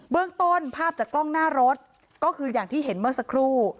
เรื่องต้นภาพจากกล้องหน้ารถก็คืออย่างที่เห็นเมื่อสักครู่